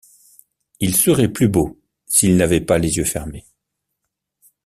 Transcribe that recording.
Il serait plus beau, s’il n’avait pas les yeux fermés.